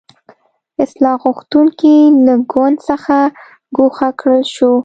اصلاح غوښتونکي له ګوند څخه ګوښه کړل شو.